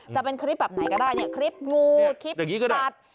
จะเป็นคลิปแบบไหนก็ได้เนี่ยคลิปงูคลิปตัด